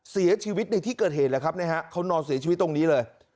เสียชีวิตในที่เกิดเหตุแล้วครับเขานอนเสียชีวิตตรงนี้เลย